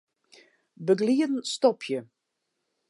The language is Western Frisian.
Begelieden stopje.